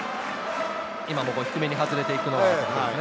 今も低めに外れていきました。